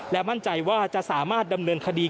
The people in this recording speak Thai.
และมั่นใจว่าจะสามารถดำเนินคดี